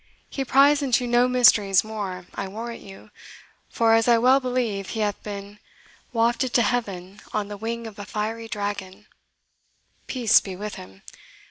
He pries into no mysteries more, I warrant you, for, as I well believe, he hath been wafted to heaven on the wing of a fiery dragon peace be with him!